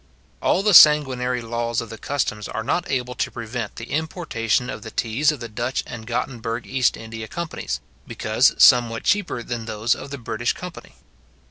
All the sanguinary laws of the customs are not able to prevent the importation of the teas of the Dutch and Gottenburg East India companies; because somewhat cheaper than those of the British company.